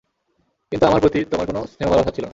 কিন্তু আমার প্রতি তোমার কোন স্নেহ-ভালোবাসা ছিলো না।